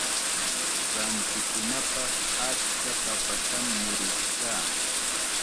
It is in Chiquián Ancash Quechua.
Rantikunapaq achka papatam murush kaa.